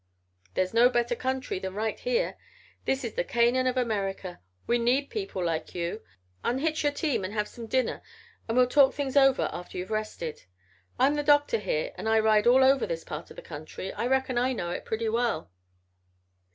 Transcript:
"There's no better country than right here. This is the Canaan of America. We need people like you. Unhitch your team and have some dinner and we'll talk things over after you're rested. I'm the doctor here and I ride all over this part o' the country. I reckon I know it pretty well."